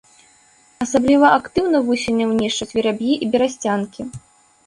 Асабліва актыўна вусеняў нішчаць вераб'і і берасцянкі.